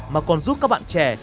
mà còn giúp các bạn trẻ